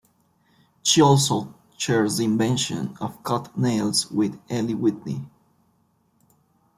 She also shares the invention of cut nails with Eli Whitney.